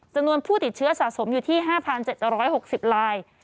จำนวนผู้ติดเชื้อสะสมอยู่ที่๕๗๖๐ลาย